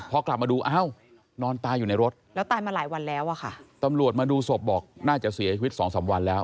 พอกลับมาดูอ้าวนอนตายอยู่ในรถแล้วตายมาหลายวันแล้วอ่ะค่ะตำรวจมาดูศพบอกน่าจะเสียชีวิตสองสามวันแล้ว